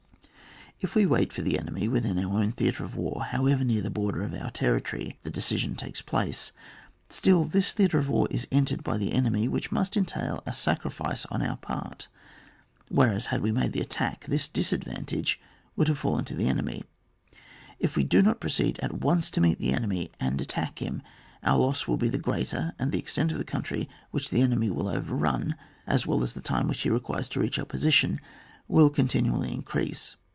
If we wait for the enemy within our own theatre of war, however near the border of our territory the decision takes place^ still this theatre of war is entered by the enemy, which must entail a sacri fice on our part ; whereas, had we made the attack, this disadvantage would have fallen on the enemy. If we do not pro* ceed at once to meet the enemy and at tack him, our loss will be the greater, and the extent of the country which the enemy will overrun, as well as the time which he requires to reach our position, will continually increase.